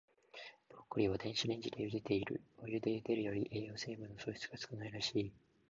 ブロッコリーは、電子レンジでゆでている。お湯でゆでるより、栄養成分の損失が少ないらしい。